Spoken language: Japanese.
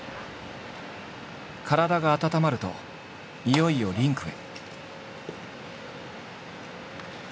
体が温まるといよいよリンクへ。